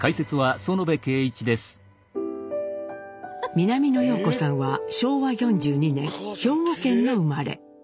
南野陽子さんは昭和４２年兵庫県の生まれ。